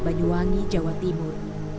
banyuwangi jawa timur